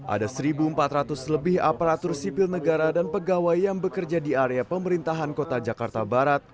ada satu empat ratus lebih aparatur sipil negara dan pegawai yang bekerja di area pemerintahan kota jakarta barat